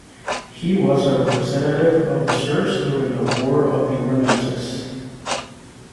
He was a representative of the serfs during the War of the Remences.